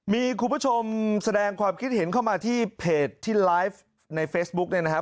มีคุณผู้ชมแสดงความคิดเห็นเข้ามาที่เพจที่ไลฟ์ในเฟซบุ๊กเนี่ยนะครับ